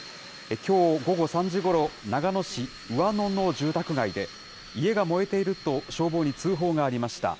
きょう午後３時ごろ、長野市上野の住宅街で、家が燃えていると、消防に通報がありました。